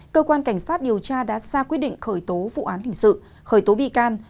cơ quan cảnh sát điều tra đã ra quyết định khởi tố vụ án hình sự khởi tố bị can